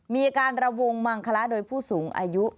มีการระวงมังคละโดยผู้สูงอายุ